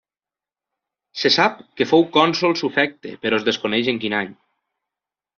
Se sap que fou cònsol sufecte però es desconeix en quin any.